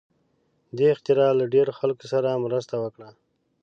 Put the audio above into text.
دې اختراع له ډېرو خلکو سره مرسته وکړه.